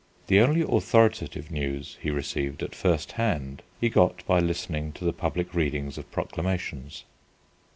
The only authoritative news he received at first hand he got by listening to the public reading of proclamations.